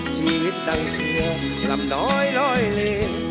ชีพดังเทือนลำดอยลอยเล่น